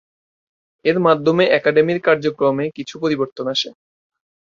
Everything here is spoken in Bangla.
এর মাধ্যমে একাডেমির কার্যক্রমে কিছু পরিবর্তন আসে।